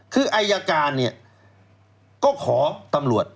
คืออายการเนี่ยก็ขอตำรวจ